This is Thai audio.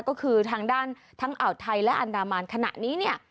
ก็คือทางด้านทั้งอ่าวไทยและอันดามันขณะนี้เนี่ย